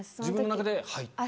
自分の中で「はい」？